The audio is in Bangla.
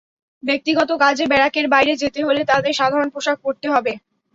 ব্যক্তিগত কাজে ব্যারাকের বাইরে যেতে হলে তাদের সাধারণ পোশাক পরতে হবে।